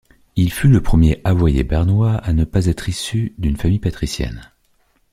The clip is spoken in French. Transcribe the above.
Il fut le premier avoyer bernois à ne pas être issu d’une famille patricienne.